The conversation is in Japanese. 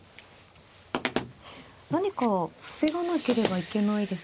何か防がなければいけないですか。